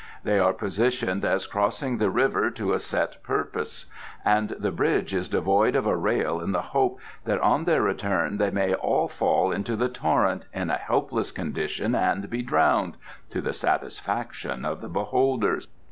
They are positioned as crossing the river to a set purpose, and the bridge is devoid of a rail in the hope that on their return they may all fall into the torrent in a helpless condition and be drowned, to the satisfaction of the beholders."